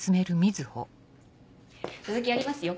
続きやりますよ。